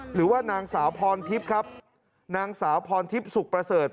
หรือว่านางสาวพรทิพย์ครับนางสาวพรทิพย์สุขประเสริฐ